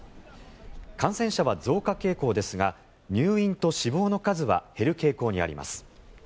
感染者は増加傾向ですが入院と死亡の数は減る傾向にあります。